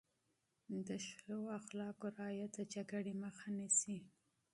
د ښو اخلاقو رعایت د جنګ مخه نیسي.